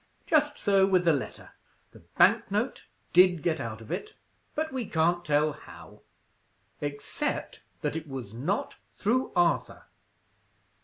Just so with the letter. The bank note did get out of it, but we can't tell how, except that it was not through Arthur.